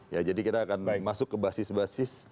ya jadi kita akan masuk ke basis basis